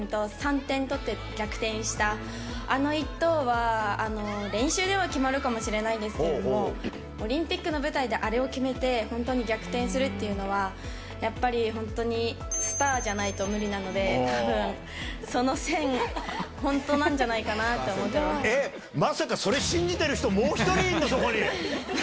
３点取って逆転したあの一投は練習では決まるかもしれないんですけど、オリンピックの舞台であれを決めて、本当に逆転するっていうのは、やっぱり、本当にスターじゃないと無理なので、たぶん、その線、本当なんじゃないかなと思ってます。